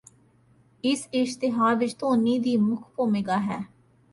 ਇਸ ਇਸ਼ਤਿਹਾਰ ਵਿੱਚ ਧੋਨੀ ਦੀ ਮੁੱਖ ਭੂਮਿਕਾ ਹੈ